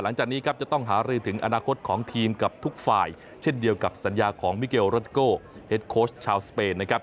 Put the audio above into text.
หลังจากนี้ครับจะต้องหารือถึงอนาคตของทีมกับทุกฝ่ายเช่นเดียวกับสัญญาของมิเกลรถโก้เฮ็ดโค้ชชาวสเปนนะครับ